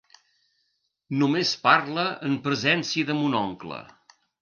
Només parla en presència de mon oncle.